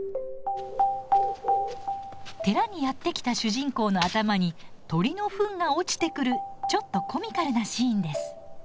寺にやって来た主人公の頭に鳥のふんが落ちてくるちょっとコミカルなシーンです。